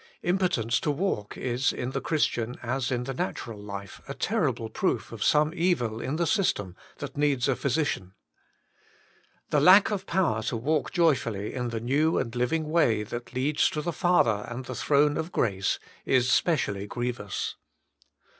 Impotence to walk is, in the Christian, as in the natural life, a terrible proof of some evil in the system that needs a physician. The lack of power to walk joyfully in the new and living way that leads to the Father and the throne of grace is 91 92 THE MINISTRY OF INTERCESSION specially grievous.